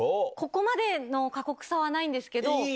ここまでの過酷さはないんですけど。